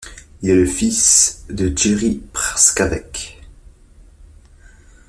Il est le fils de Jiří Prskavec.